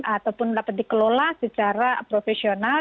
ataupun dapat dikelola secara profesional